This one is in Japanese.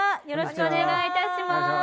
よろしくお願いします。